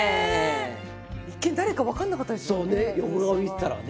一見誰か分かんなかったですもんね。